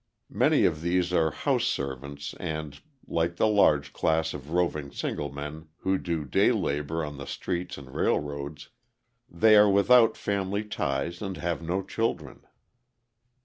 Many of these are house servants and, like the large class of roving single men who do day labour on the streets and railroads, they are without family ties and have no children.